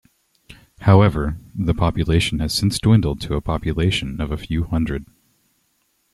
However, the population has since dwindled to a population of a few hundred.